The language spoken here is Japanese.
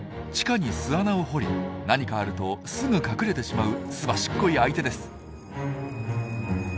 地下に巣穴を掘り何かあるとすぐ隠れてしまうすばしっこい相手です。